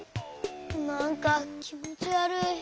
なんかきもちわるい。